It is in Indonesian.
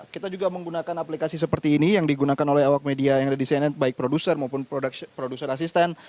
kita juga menggunakan aplikasi seperti ini yang digunakan oleh awak media yang ada di cnn baik produser maupun produser asisten